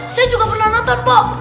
saya juga pernah nonton pak